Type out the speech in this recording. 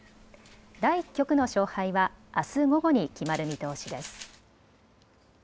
第１局の勝敗はあす午後に決まる見通しです。